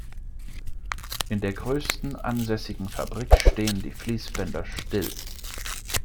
In der größten ansässigen Fabrik stehen die Fließbänder still.